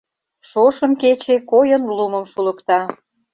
Шошым кече койын лумым шулыкта.